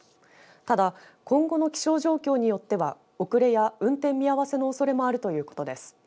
ただ今後の気象状況によっては遅れや運転見合わせのおそれもあるということです。